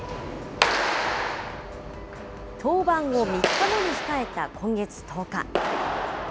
登板を３日後に控えた今月１０日。